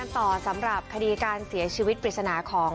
ต่อสำหรับคดีการเสียชีวิตปริศนาของ